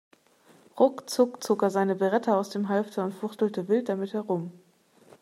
Ruckzuck zog er seine Beretta aus dem Halfter und fuchtelte wild damit herum.